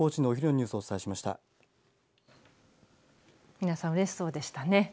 皆さん、うれしそうでしたね。